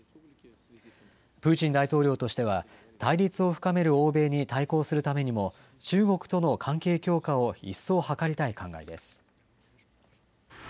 プーチン大統領としては、対立を深める欧米に対抗するためにも、中国との関係強化を一層図りたい考えです。